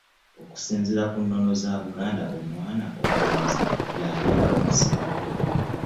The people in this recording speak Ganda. Okusinzira ku nono za Buganda omwana omulenzi yabeera omusika.